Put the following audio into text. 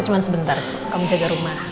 cuma sebentar kamu jaga rumah